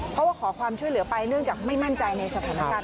เพราะว่าขอความช่วยเหลือไปเนื่องจากไม่มั่นใจในสถานการณ์